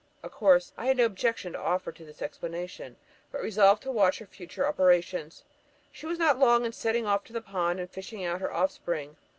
Of course, I had no objection to offer to this explanation, but resolved to watch her future operations. She was not long in setting off to the pond and fishing out her offspring.